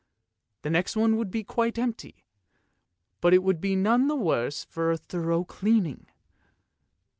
The next one would be quite empty, but it would be none the worse for a thorough cleaning.